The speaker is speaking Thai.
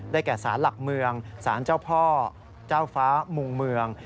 แก่สารหลักเมืองสารเจ้าพ่อเจ้าฟ้ามุงเมือง